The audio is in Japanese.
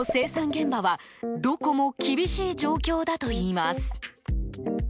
現場はどこも厳しい状況だといいます。